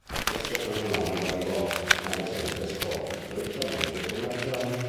Esso cambiò nome varie volte, ma ebbe sempre scopi prettamente commerciali.